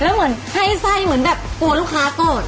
แล้วเหมือนให้ไส้เหมือนแบบกลัวลูกค้าโกรธ